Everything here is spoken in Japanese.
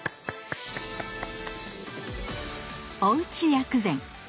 おうち薬膳！